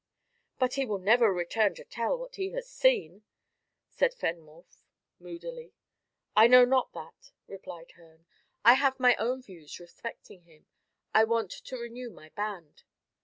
"But he will never return to tell what he has seen," said Fenwolf moodily. "I know not that," replied Herne. "I have my own views respecting him. I want to renew my band."